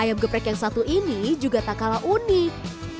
ayam geprek yang satu ini juga tak kalah unik